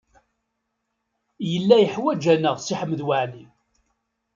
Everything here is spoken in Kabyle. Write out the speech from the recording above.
Yella yeḥwaj-aneɣ Si Ḥmed Waɛli.